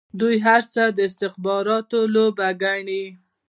دوی هر څه د استخباراتو لوبه ګڼي.